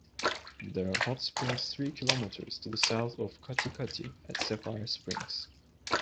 There are hot springs three kilometres to the south of Katikati at Sapphire Springs.